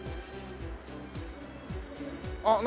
あっ何？